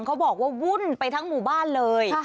เขาบอกว่าวุ่นไปทั้งหมู่บ้านเลย